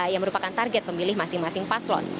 yang merupakan target pemilih masing masing paslon